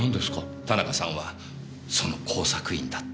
田中さんはその工作員だった。